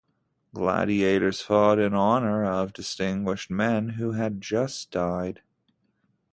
Gladiators fought in honor of distinguished men who had just died.